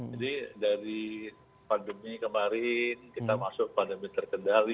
jadi dari pandemi kemarin kita masuk pandemi terkendali